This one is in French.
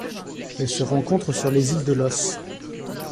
Elle se rencontre sur les îles de Loos.